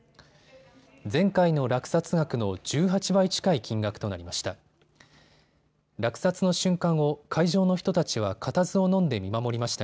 前回の落札額の１８倍近い金額となりました。